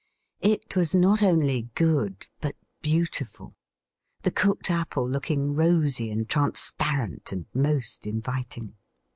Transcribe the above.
It was not only good, but beautiful; the cooked apple looking rosy and transparent, and most inviting.